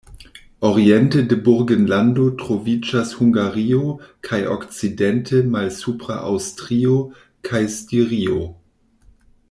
Oriente de Burgenlando troviĝas Hungario kaj okcidente Malsupra Aŭstrio kaj Stirio.